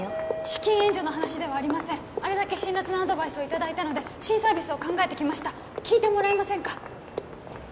資金援助の話ではありませんあれだけ辛辣なアドバイスをいただいたので新サービスを考えてきました聞いてもらえませんか？